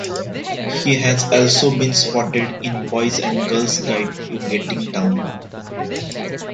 He has also been spotted in Boys and Girls Guide To Getting Down.